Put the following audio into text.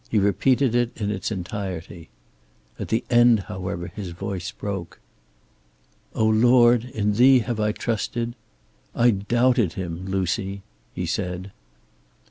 He repeated it in its entirety. At the end, however, his voice broke. "O Lord, in thee have I trusted I doubted Him, Lucy," he said.